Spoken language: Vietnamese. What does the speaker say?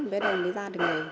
cái này mới ra được nghề